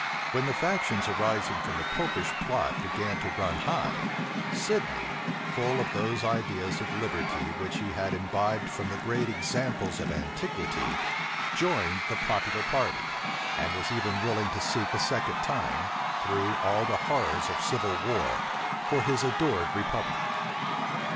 When the factions arising from the Popish plot began to run high, Sidney, full of those ideas of liberty which he had imbibed from the great examples of antiquity, joined the popular party; and was even willing to seek a second time, through all the horrors of civil war, for his adored republic.